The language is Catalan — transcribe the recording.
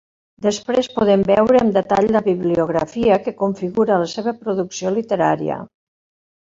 Després podem veure amb detall la bibliografia que configura la seva producció literària.